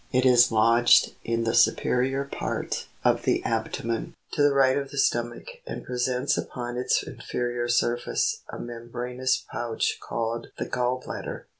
It is lodged in the superior part of the abdomen, to the right of the stomach, and presents upon its inferior surface, a membranous pouch called the gall bladder, (of.)